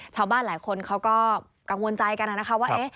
ชาวบ้านหลายคนเขาก็กังวลใจกันนะคะว่า